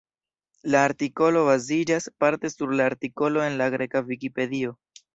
La artikolo baziĝas parte sur la artikolo en la greka Vikipedio.